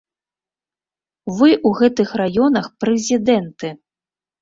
Вы ў гэтых раёнах прэзідэнты!